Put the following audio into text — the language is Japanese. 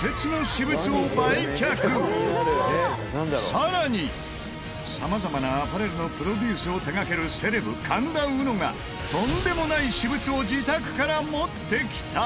さらに様々なアパレルのプロデュースを手掛けるセレブ神田うのがとんでもない私物を自宅から持ってきた！